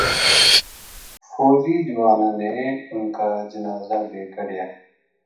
فوجی جواناں نے انھ کا جنازا بے کڈھیا